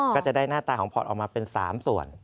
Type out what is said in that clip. ก็จะได้หน้าตาของพอร์ตออกมาเป็น๓ส่วน